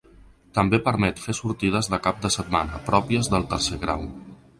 També permet fer sortides de cap de setmana, pròpies del tercer grau.